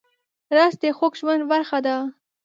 رس د خوږ ژوند برخه ده